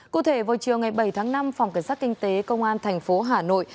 cụ thể vào chiều ngày bảy tháng năm phòng cảnh sát kinh tế công an thành phố hà nội